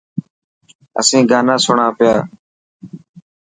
اسين گانا سڻان پيا.